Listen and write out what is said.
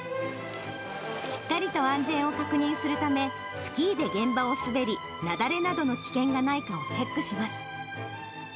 しっかりと安全を確認するため、スキーで現場を滑り、雪崩などの危険がないかをチェックします。